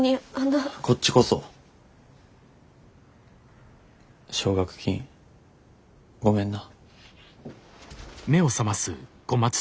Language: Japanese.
こっちこそ奨学金ごめんな。